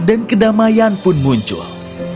dan kedamaian pun muncul